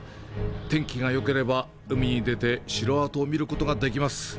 天気がよければ、海に出て城跡を見ることができます。